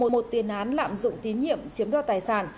một tiền án lạm dụng tín nhiệm chiếm đoạt tài sản